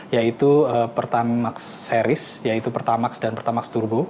yaitu pertamax series yaitu pertamax dan pertamax turbo